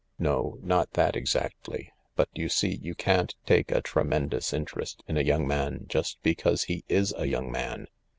No — not that exactly. But you see you can't take a tremendous interest in a young man just because he is a young man.